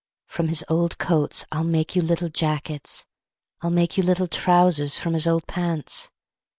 From his old coats I'll make you little jackets; I'll make you little trousers From his old pants.